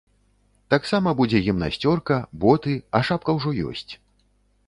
Таксама будзе гімнасцёрка, боты, а шапка ўжо ёсць.